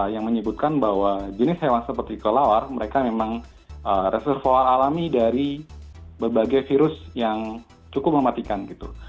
yang menyebutkan bahwa jenis hewan seperti kelelawar mereka memang reservoal alami dari berbagai virus yang cukup mematikan gitu